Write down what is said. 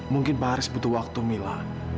mungkin pak haris butuh waktu mila